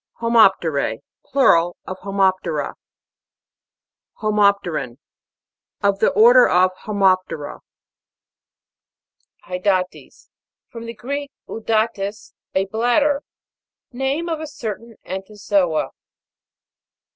HOMOP'TERA. Plural of Homop' tera. HOMOP'TERAN. Of the order Homop' tera. HYDA'TIDS. From the Greek, 'udatis, a bladder. Name of certain ento zoa.